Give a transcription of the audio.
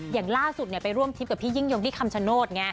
อย่างล่าสุดไปร่วมทริปกับพี่ยิ่งยงที่คำชโนธไง